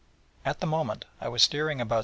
At the moment, I was steering about S.